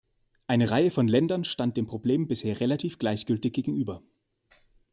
Eine Reihe von Ländern stand dem Problem bisher relativ gleichgültig gegenüber.